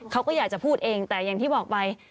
เขาก็อยากจะพูดเองแต่อย่างที่บอกไป